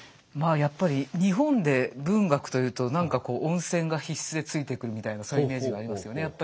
まあやっぱり日本で文学というと何かこう温泉が必須でついてくるみたいなそういうイメージがありますよね